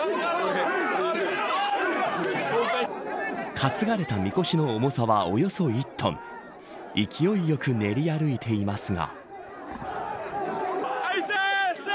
かつがれたみこしの重さはおよそ１トン勢いよく練り歩いていますが。